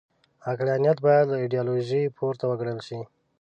عقلانیت باید له ایډیالوژیو پورته وګڼل شي.